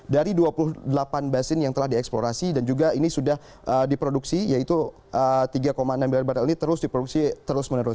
dari dua puluh delapan basin yang telah dieksplorasi dan juga ini sudah diproduksi yaitu tiga enam miliar barrel ini terus diproduksi terus menerus